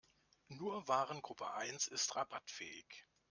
Nur Warengruppe eins ist rabattfähig.